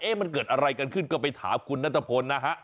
มันเกิดอะไรกันขึ้นก็ไปถามคุณนัทพลนะฮะ